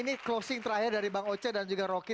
ini closing terakhir dari bang ocha dan juga roky